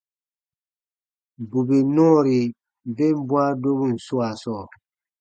Bù bè nɔɔri ben bwãa dobun swaa sɔɔ,